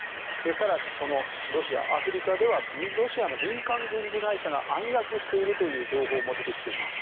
更に、アフリカではロシアの民間軍事会社が暗躍しているという情報も出てきています。